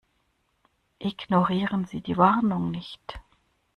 Ignorieren Sie die Warnung nicht.